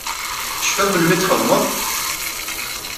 Tecfiḍ melmi i t-txedmeḍ?